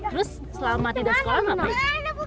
terus selama tidak sekolah kamu apa